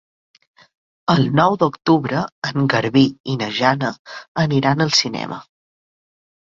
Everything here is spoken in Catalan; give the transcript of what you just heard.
El nou d'octubre en Garbí i na Jana aniran al cinema.